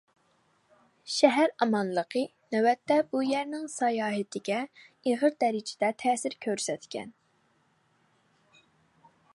شەھەر ئامانلىقى نۆۋەتتە بۇ يەرنىڭ ساياھىتىگە ئېغىر دەرىجىدە تەسىر كۆرسەتكەن.